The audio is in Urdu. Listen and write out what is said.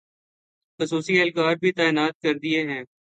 خصوصی اہلکار بھی تعینات کردیئے ہیں